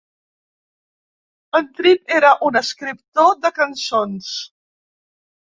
En Tripp era un escriptor de cançons.